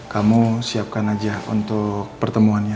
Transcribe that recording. kamu siapkan aja untuk pertemuannya